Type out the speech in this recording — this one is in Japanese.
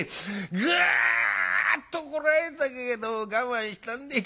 ぐっとこらえたけど我慢したんでい。